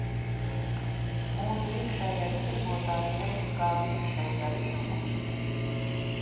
Mūsu iekšējais tirgotājs veica kādu iekšēju darījumu?